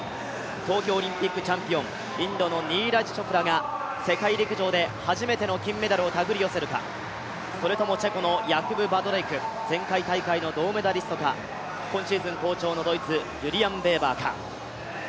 東京オリンピックチャンピオン、インドのニーラジ・チョプラが世界陸上で初めての金メダルをたぐり寄せるか、それともチェコのバドレイク、前回大会の銅メダリストか、今シーズン好調のドイツ、ユリアン・ベーバーか。